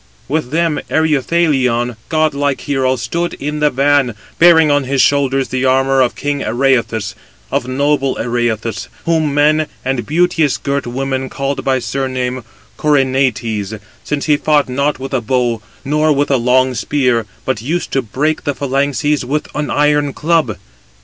With them Ereuthalion, god like hero, stood in the van, bearing on his shoulders the armour of king Areïthous, of noble Areïthous, whom men and beauteous girt women called by surname Corynetes, since he fought not with a bow, nor with a long spear, but used to break the phalanxes with an iron club.